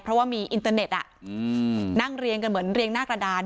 เพราะว่ามีอินเตอร์เน็ตนั่งเรียงกันเหมือนเรียงหน้ากระดาน